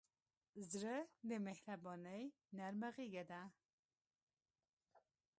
زړه د مهربانۍ نرمه غېږه ده.